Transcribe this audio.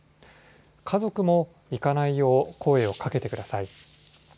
家族も行かないよう声をかけてください。